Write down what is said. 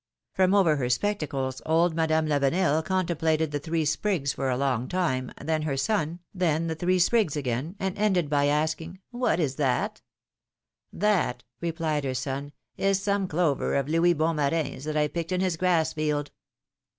From over her spectacles old Madame PHILOMi:NE^S MAKRIAGES. 129 Lavenel contemplated the three sprigs for a long time, then her son, then the three sprigs again, and ended by asking : What is that That,^^ replied her son, is some clover of Louis Bon Marin's, that I picked in his grass field